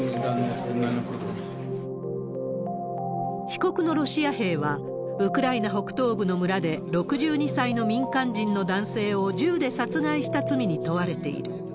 被告のロシア兵は、ウクライナ北東部の村で、６２歳の民間人の男性を銃で殺害した罪に問われている。